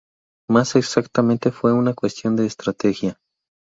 Más exactamente, fue una cuestión de estrategia.